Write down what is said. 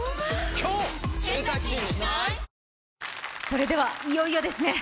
それでは、いよいよですね。